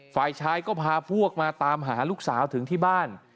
ฝ่ายชายก็พาพวกมาตามหาลูกสาวถึงที่บ้าน